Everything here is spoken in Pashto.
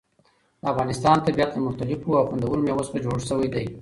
د افغانستان طبیعت له مختلفو او خوندورو مېوو څخه جوړ شوی دی.